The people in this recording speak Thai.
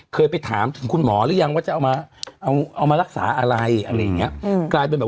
เคยไปถามถึงคุณหมอหรือยังว่าจะเอามารักษาอะไร